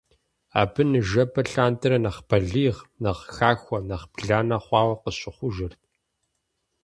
Абы ныжэбэ лъандэрэ нэхъ балигъ, нэхъ хахуэ, нэхъ бланэ хъуауэ къыщыхъужырт.